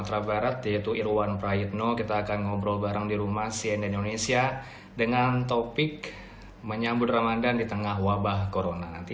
request ke gubernur sumatera barat